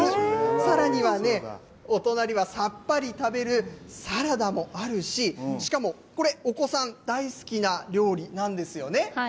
さらにはね、お隣にはさっぱり食べるサラダもあるしこれ、お子さん大好きな料理なんですよね。